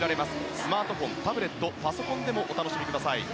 スマートフォン、タブレットパソコンでもお楽しみください。